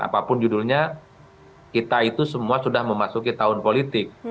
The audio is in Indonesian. apapun judulnya kita itu semua sudah memasuki tahun politik